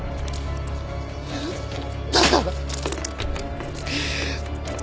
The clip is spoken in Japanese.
だから！